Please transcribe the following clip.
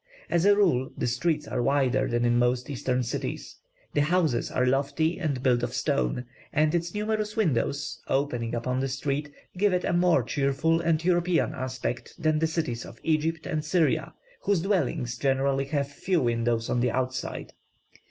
As a rule, the streets are wider than in most Eastern cities. The houses are lofty and built of stone; and its numerous windows, opening upon the street, give it a more cheerful and European aspect than the cities of Egypt or Syria, whose dwellings generally have few windows on the outside.